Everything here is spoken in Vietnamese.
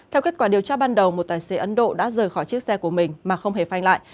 theo kết quả điều tra ban đầu một tài xế ấn độ đã rời khỏi chiếc xe của mình mà không hề phay lại